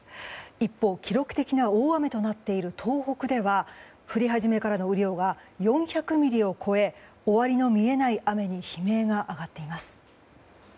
一方、記録的な大雨となっている東北では降り始めからの雨量が４００ミリを超え終わりの見えない雨に悲鳴が上がっています。